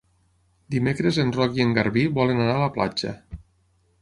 Dimecres en Roc i en Garbí volen anar a la platja.